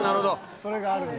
それがある。